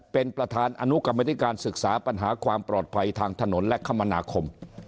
เป็นประธานอนุกรรมนิการศึกษาปัญหาความปลอดภัยทางถนนและคมนาคม